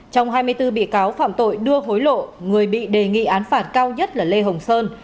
trong hai mươi bốn bị cáo phạm tội đưa hối lộ người bị đề nghị án phạt cao nhất là lê hồng sơn